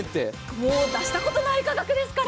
もう、出したことない価格ですから。